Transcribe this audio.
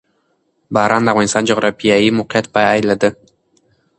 باران د افغانستان د جغرافیایي موقیعت پایله ده.